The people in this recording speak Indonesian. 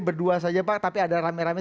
berdua saja pak tapi ada rame rame